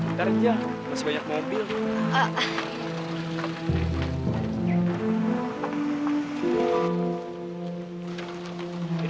ntar aja masih banyak mobil